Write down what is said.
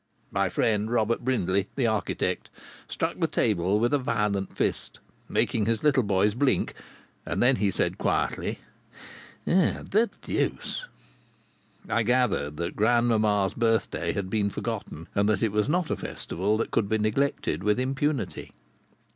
My friend Robert Brindley, the architect, struck the table with a violent fist, making his little boys blink, and then he said quietly: "The deuce!" I gathered that grandmamma's birthday had been forgotten and that it was not a festival that could be neglected with impunity.